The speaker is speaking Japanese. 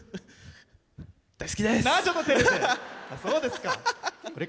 大好きです！